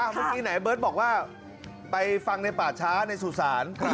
เมื่อกี้ไหนเบิร์ตบอกว่าไปฟังในป่าช้าในสุสาน